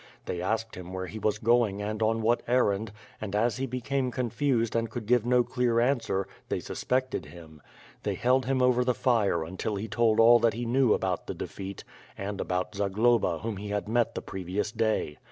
They asked him where he was going and on what errand, and as he became confused and could give no clear answer, they suspected him. They held him over the fire until he told all that he knew about the defeat, and about Zagloba whom he had met the previous day.